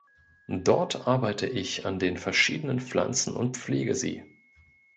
Dort arbeite ich an den verschiedenen Pflanzen und pflege sie.